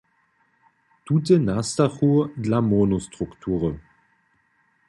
Tute nastachu dla monostruktury.